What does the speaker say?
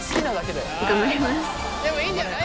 でもいいんじゃない？